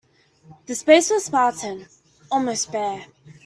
The space was spartan, almost bare.